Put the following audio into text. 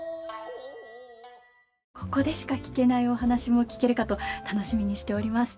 ここでしか聞けないお話も聞けるかと楽しみにしております。